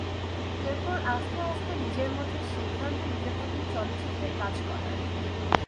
এরপর আস্তে আস্তে নিজের মধ্যে সিদ্ধান্ত নিতে থাকি চলচ্চিত্রে কাজ করার।